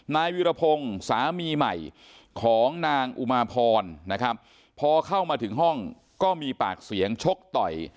นายวิรพงศ์สามีใหม่ของนางอุมาพรนะครับพอเข้ามาถึงห้องก็มีปากเสียงชกต่อย